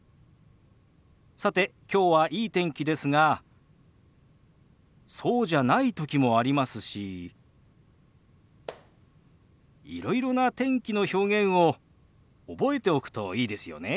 さてきょうはいい天気ですがそうじゃない時もありますしいろいろな天気の表現を覚えておくといいですよね。